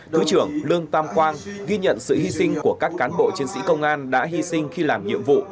thứ trưởng lương tam quang ghi nhận sự hy sinh của các cán bộ chiến sĩ công an đã hy sinh khi làm nhiệm vụ